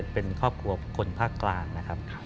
เป็นครอบครัวคนภาคกลางนะครับ